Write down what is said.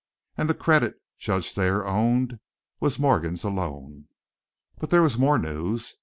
And the credit, Judge Thayer owned, was Morgan's alone. But there was more news.